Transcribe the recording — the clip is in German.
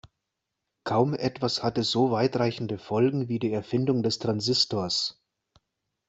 Kaum etwas hatte so weitreichende Folgen wie die Erfindung des Transistors.